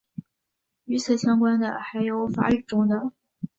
与此相关的还有法语中的。